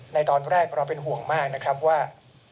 ในตอนแรกเราเป็นห่วงมากนะครับว่า